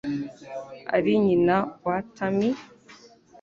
Ari nyina wa Tammy?